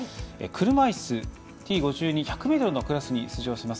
車いすＴ５２１００ｍのクラスに出場します